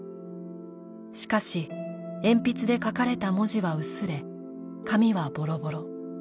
しかし鉛筆で書かれた文字は薄れ紙はボロボロ。